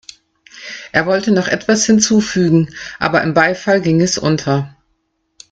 Er wollte noch etwas hinzufügen, aber im Beifall ging es unter.